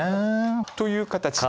という形で。